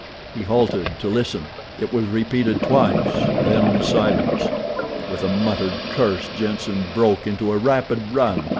He halted to listen. It was repeated twice. Then silence. With a muttered curse Jenssen broke into a rapid run.